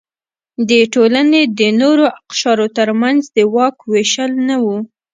د ټولنې د نورو اقشارو ترمنځ د واک وېشل نه و.